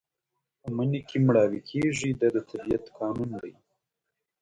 په مني کې مړاوي کېږي دا د طبیعت قانون دی.